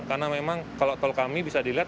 karena memang kalau tol kami bisa dilihat